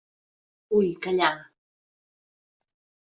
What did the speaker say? Ui callar...